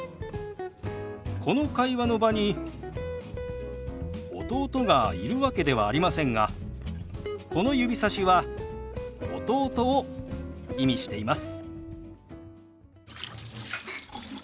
この会話の場に弟がいるわけではありませんがこの指さしは弟を意味しています。